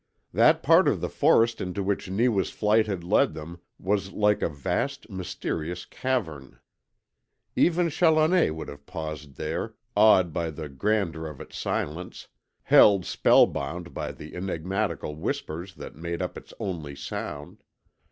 That part of the forest into which Neewa's flight had led them was like a vast, mysterious cavern. Even Challoner would have paused there, awed by the grandeur of its silence, held spellbound by the enigmatical whispers that made up its only sound.